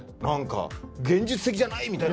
現実的じゃない！みたいな。